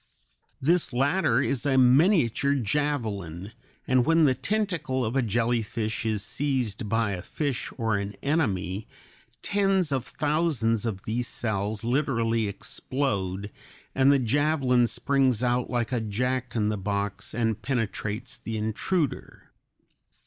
This latter is a miniature javelin, and when the tentacle of a jellyfish is seized by a fish or an enemy, tens of thousands of these cells literally explode (D) and the javelin springs out like a Jack in the box (A) and penetrates the intruder.